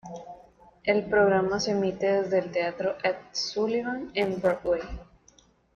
El programa se emite desde el Teatro Ed Sullivan en Broadway.